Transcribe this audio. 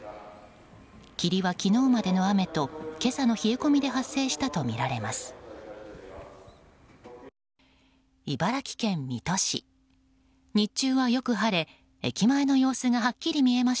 霧は昨日までの雨と今朝の冷え込みで発生したとみられます。